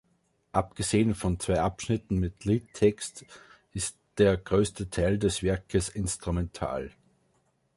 Abgesehen von zwei Abschnitten mit Liedtext ist der größte Teil des Werkes instrumental.